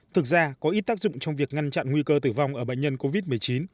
thực ra có ít tác dụng trong việc ngăn chặn nguy cơ tử vong ở bệnh nhân covid một mươi chín